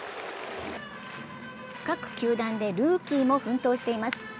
各球団でルーキーも奮闘しています。